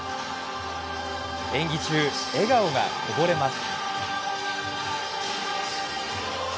演技中、笑顔がこぼれます。